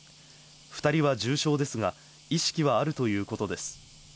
２人は重傷ですが、意識はあるということです。